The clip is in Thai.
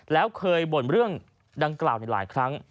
แล้วเคยบ่นเรื่องดังกล่าวในหลายครั้ง